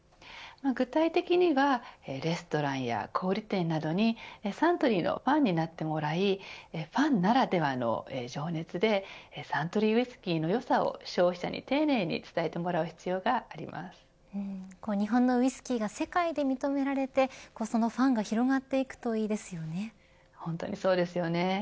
具体的にはレストランや小売店などに、サントリーのファンになってもらいファンならではの情熱でサントリーウイスキーの良さを消費者に丁寧に伝えてもらう日本のウイスキーが世界で認められてそのファンが広がっていくと本当にそうですよね。